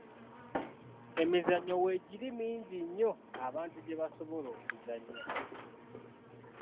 Emizannyo weegiri mingi nnyo abantu gye basobola okuzannya.